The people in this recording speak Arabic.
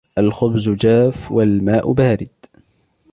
الخبز جاف والماء بارد.